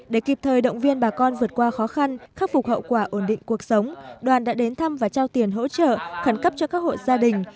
để kịp thời động viên bà con vượt qua khó khăn khắc phục hậu quả ổn định cuộc sống đoàn đã đến thăm và trao tiền hỗ trợ khẩn cấp cho các hộ gia đình